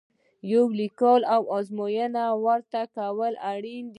یوه لیکلې ازموینه ورکول اړین دي.